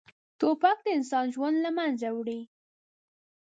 توپک د انسان ژوند له منځه وړي.